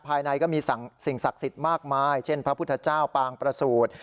ภายในก็มีสิ่งศักดิ์สิทธิ์มากมายเช่นพระพุทธเจ้าปางประสูจน์